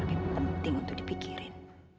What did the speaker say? yang penting untuk dipikirin